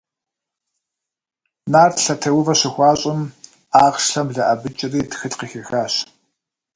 Нарт лъэтеувэ щыхуащӏым, ахъшэм блэӏэбыкӏри тхылъ къыхихащ.